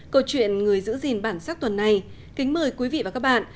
câu chuyện người giữ gìn bản sắc tuần này kính mời quý vị và các bạn